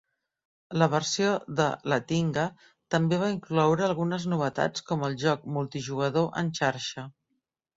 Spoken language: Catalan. La versió de Latinga també va incloure algunes novetats com el joc multijugador en xarxa.